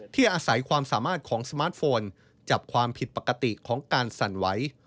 อาศัยความสามารถของสมาร์ทโฟนจับความผิดปกติของการสั่นไหว